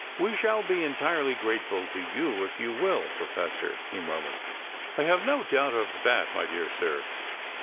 "We shall be entirely grateful to you if you will, Professor," he murmured. "I have no doubt of that, my dear sir.